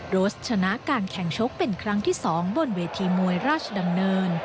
โรสชนะการแข่งชกเป็นครั้งที่๒บนเวทีมวยราชดำเนิน